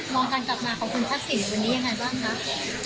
มองการกลับมาของคุณภาษีในวันนี้ยังไงบ้างนะครับ